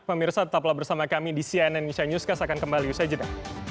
pak mirsa tetaplah bersama kami di cnn indonesia newscast akan kembali saya jeda